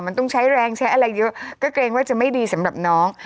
มันต้องใช้แรงใช้อะไรเยอะก็เกรงว่าจะไม่ดีสำหรับน้อง